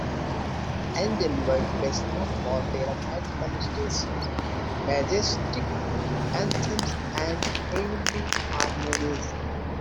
Angel were best known for their magical stage shows, majestic anthems and heavenly harmonies.